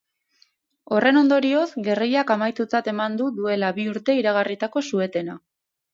Horren ondorioz, gerrillak amaitutzat eman du duela bi urte iragarritako su-etena.